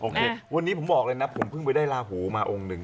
วันนี้ผมบอกเลยนะผมเพิ่งไปได้ลาหูมาองค์หนึ่ง